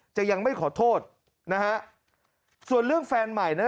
จะยังไม่ขอโทษนะฮะส่วนเรื่องแฟนใหม่นั้น